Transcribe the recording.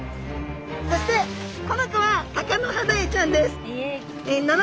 そしてこの子はタカノハダイちゃんです。